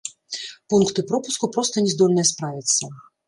Пункты пропуску проста не здольныя справіцца.